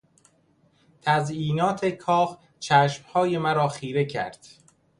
تزیینات کاخ چشمهای مرا خیره کرد.